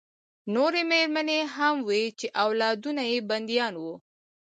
نورې مېرمنې هم وې چې اولادونه یې بندیان وو